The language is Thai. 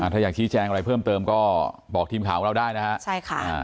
ถ้าอยากชี้แจงอะไรเพิ่มเติมก็บอกทีมข่าวของเราได้นะฮะใช่ค่ะ